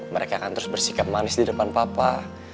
mereka akan terus bersikap manis di depan papa